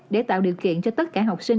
để tạo điều kiện cho tất cả học sinh